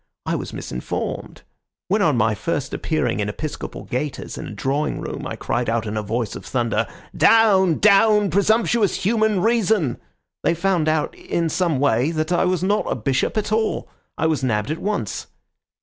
I was misinformed. When on my first appearing in episcopal gaiters in a drawing room I cried out in a voice of thunder, 'Down! down! presumptuous human reason!' they found out in some way that I was not a bishop at all. I was nabbed at once.